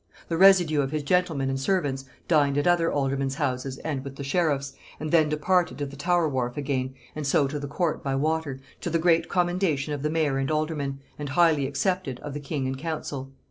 The residue of his gentlemen and servants dined at other aldermen's houses and with the sheriffs, and then departed to the Tower wharf again, and so to the court by water, to the great commendation of the mayor and aldermen, and highly accepted, of the king and council."